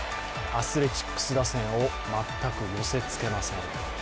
アスレチックス打線を全く寄せつけません。